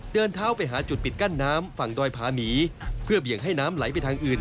เดินเท้าไปหาจุดปิดกั้นน้ำฝั่งดอยพาหมีเพื่อเบี่ยงให้น้ำไหลไปทางอื่น